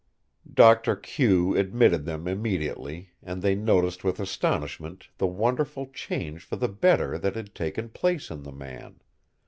Doctor Q admitted them immediately, and they noticed with astonishment the wonderful change for the better that had taken place in the man.